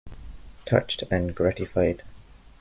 Touched and gratified.